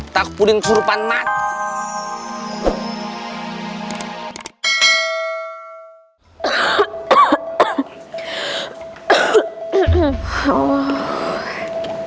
takut pudin kesurupan mati